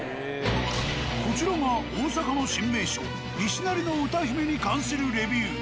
こちらが大阪の新名所西成の歌姫に関するレビュー。